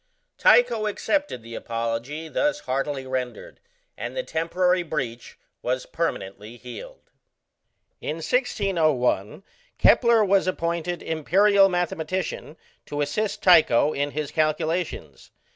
Tycho accepted the apology thus heartily rendered, and the temporary breach was permanently healed. In 1601, Kepler was appointed "Imperial mathematician," to assist Tycho in his calculations.